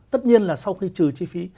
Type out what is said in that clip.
tất nhiên là sau khi trừ chi phí